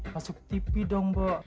masuk tv dong mbok